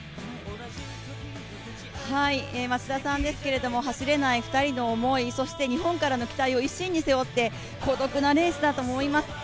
松田さんですけど、走れない２人の思い、日本からの期待を一身に背負って孤独なレースだと思います。